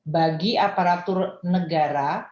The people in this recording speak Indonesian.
bagi aparatur negara